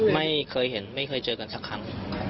ไม่เคยเห็นไม่เคยเจอกันสักครั้ง